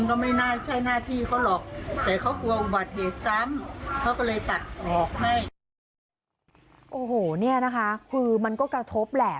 โอ้โหเนี่ยนะคะคือมันก็กระทบแหละ